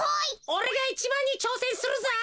おれがいちばんにちょうせんするぞ。